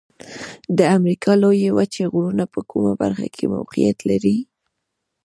د امریکا د لویې وچې غرونه په کومه برخه کې موقعیت لري؟